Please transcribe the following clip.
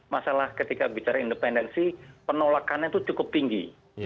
masalah ketika bicara independensi penolakannya itu cukup tinggi